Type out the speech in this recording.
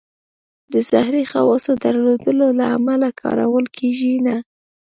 د زهري خواصو درلودلو له امله کارول کېږي نه.